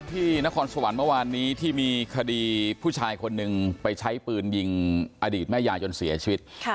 นครสวรรค์เมื่อวานนี้ที่มีคดีผู้ชายคนหนึ่งไปใช้ปืนยิงอดีตแม่ยายจนเสียชีวิต